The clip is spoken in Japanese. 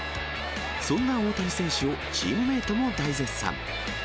そんな大谷選手をチームメートも大絶賛。